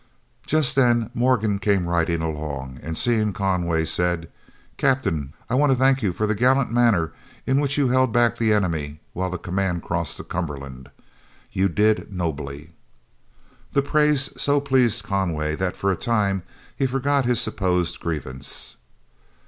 Just then Morgan came riding along, and seeing Conway said, "Captain, I want to thank you for the gallant manner in which you held back the enemy while the command crossed the Cumberland. You did nobly." This praise so pleased Conway that for a time he forgot his supposed grievance.